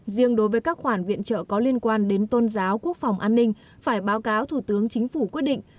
riêng đối với các khoản viện trợ có liên quan đến tôn giáo quốc phòng an ninh phải báo cáo thủ tướng chính phủ quyết định